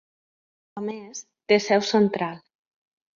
A més, té seu central.